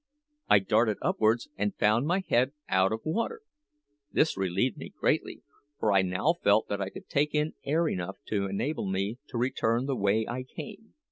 I darted upwards, and found my head out of water. This relieved me greatly, for I now felt that I could take in air enough to enable me to return the way I came.